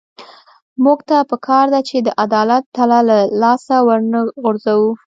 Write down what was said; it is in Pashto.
موږ ته پکار ده چې د عدالت تله له لاسه ونه غورځوو.